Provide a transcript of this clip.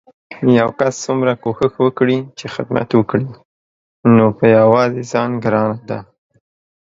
يو کس څومره کوښښ وکړي چې خدمت وکړي نو په يوازې ځان ګرانه ده